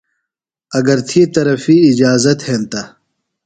اگر تھی طرفی اِجازت ہنتہ۔